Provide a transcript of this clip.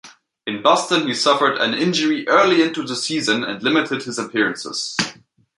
In Boston, he suffered an injury early into the season and limited his appearances.